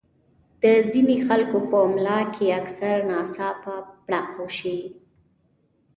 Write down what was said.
د ځينې خلکو پۀ ملا کښې اکثر ناڅاپه پړق اوشي